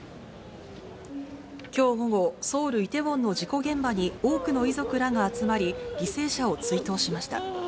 きょう午後、ソウル・イテウォンの事故現場に多くの遺族らが集まり、犠牲者を追悼しました。